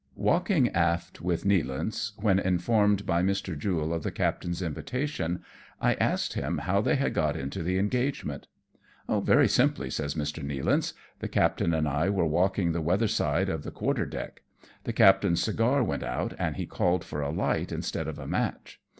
Walking aft with Nealance^ when informed by Mr. Jule of the captain's invitation, I asked him how they had got into the engagement. " Very simply/' says Mr. Nealance. " The captain and I were walking the weather side of the quarter deck. The captain's cigar went out, and he called for a light instead of a match.